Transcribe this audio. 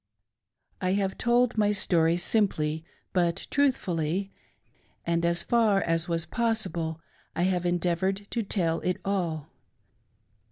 I have told my story simply, but truthfully, and, as far as was possible, I have endeavored to Tell it All.